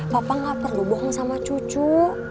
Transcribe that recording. papa gak perlu bohong sama cucu